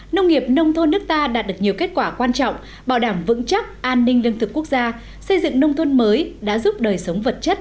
nông nghiệp nông thôn nước ta đạt được nhiều kết quả quan trọng bảo đảm vững chắc an ninh lương thực quốc gia xây dựng nông thôn mới đã giúp đời sống vật chất